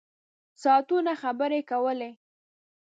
ساعتونه خبرې کولې.